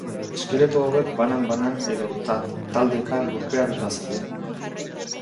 Eskeleto hauek banan banan edo taldeka lurperatuta zeuden.